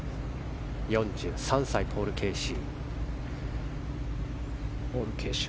４３歳、ポール・ケーシー。